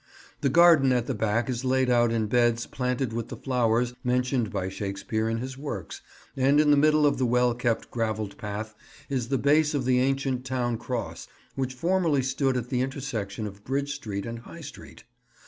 The garden at the back is laid out in beds planted with the flowers mentioned by Shakespeare in his works, and in the middle of the well kept gravelled path is the base of the ancient town cross which formerly stood at the intersection of Bridge Street and High Street.